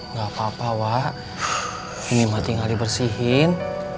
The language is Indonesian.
enggak papa wak ini mati gak dibersihin